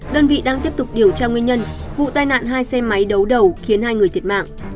đơn vị đang tiếp tục điều tra nguyên nhân vụ tai nạn hai xe máy đấu đầu khiến hai người thiệt mạng